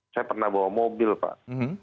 saya pernah bawa mobil pak